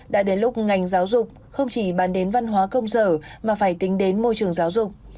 đã đến lúc ngành giáo dục không chỉ bàn đến văn hóa công sở mà phải tính đến môi trường giáo dục